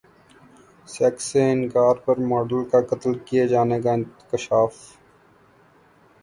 sex سے انکار پر ماڈل کا قتل کیے جانے کا انکشاف